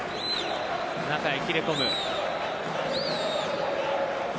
中に切れ込む。